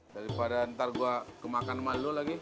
daripada ntar gua kemakan malu lagi